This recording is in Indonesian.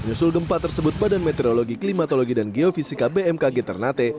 menyusul gempa tersebut badan meteorologi klimatologi dan geofisika bmkg ternate